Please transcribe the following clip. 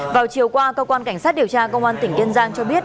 vào chiều qua cơ quan cảnh sát điều tra công an tỉnh kiên giang cho biết